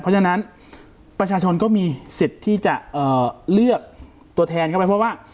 เพราะฉะนั้นประชาชนก็มีสิทธิ์ที่จะเลือกตัวแทนเข้าไปเพราะว่า